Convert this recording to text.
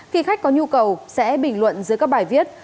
khi khách có nhu cầu sẽ bình luận dưới các bài viết